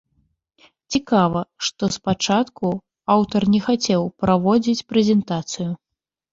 Цікава, што спачатку аўтар не хацеў праводзіць прэзентацыю.